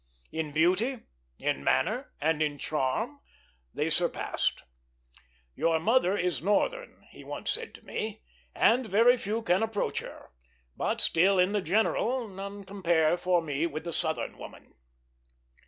In beauty, in manner, and in charm, they surpassed. "Your mother is Northern," he once said to me, "and very few can approach her; but still, in the general, none compare for me with the Southern woman."